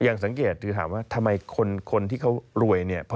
สังเกตคือถามว่าทำไมคนที่เขารวยเนี่ย